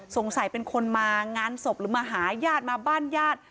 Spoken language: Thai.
เป็นคนมางานศพหรือมาหาญาติมาบ้านญาติ